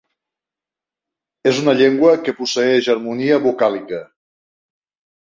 És una llengua que posseeix harmonia vocàlica.